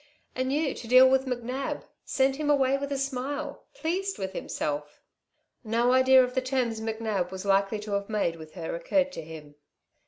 And you to deal with McNab send him away with a smile pleased with himself." No idea of the terms McNab was likely to have made with her occurred to him.